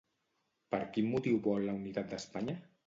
Per quin motiu vol la unitat d'Espanya?